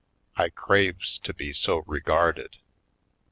I craves to be so reguarded.